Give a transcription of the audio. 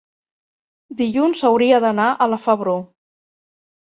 dilluns hauria d'anar a la Febró.